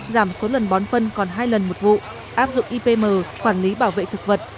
giảm số lần bón phân còn hai lần một vụ áp dụng ipm quản lý bảo vệ thực vật